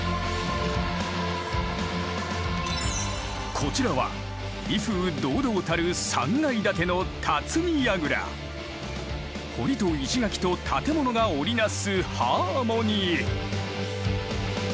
こちらは威風堂々たる３階建ての堀と石垣と建物が織り成すハーモニー。